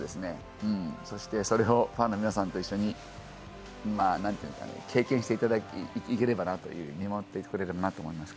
そして、それをファンの皆さんと一緒に経験していただいていければな、見守ってくれればなと思います。